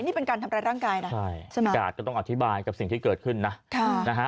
นี่เป็นการทำร้ายร่างกายนะใช่ใช่ไหมกาดก็ต้องอธิบายกับสิ่งที่เกิดขึ้นนะค่ะนะฮะ